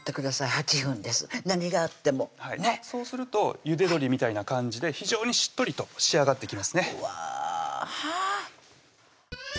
８分です何があってもねっそうするとゆで鶏みたいな感じで非常にしっとりと仕上がってきますね